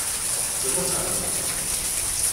کجا پرداخت کنم؟